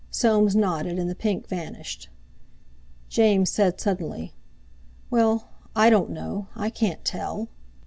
Soames nodded, and the pink vanished. James said suddenly: "Well—I don't know, I can't tell."